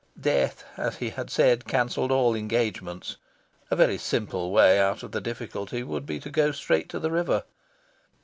Death, as he had said, cancelled all engagements. A very simple way out of the difficulty would be to go straight to the river.